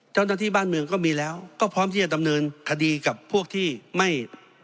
เจ้าหน้าที่บ้านเมืองก็มีแล้วก็พร้อมที่จะดำเนินคดีกับพวกที่ไม่